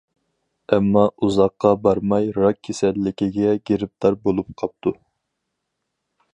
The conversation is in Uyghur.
ئەمما ئۇزاققا بارماي راك كېسەللىكىگە گىرىپتار بولۇپ قاپتۇ.